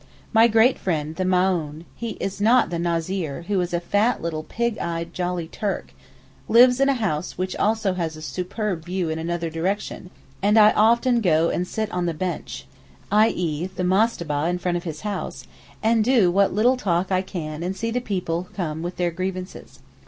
My great friend the Maōhn (he is not the Nazir, who is a fat little pig eyed, jolly Turk) lives in a house which also has a superb view in another direction, and I often go and sit 'on the bench'—i.e., the mastabah in front of his house—and do what little talk I can and see the people come with their grievances.